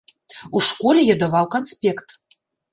У школе я даваў канспект.